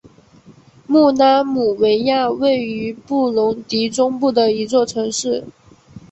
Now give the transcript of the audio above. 穆拉姆维亚位于布隆迪中部的一座城市。